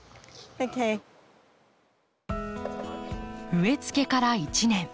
植えつけから１年。